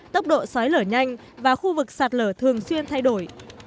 tốc độ xói lở nhanh và khu vực sạt lở thường xuyên thay đổi